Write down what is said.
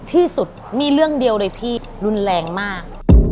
ที่สุดมีเรื่องเดียวเลยพี่รุนแรงมาก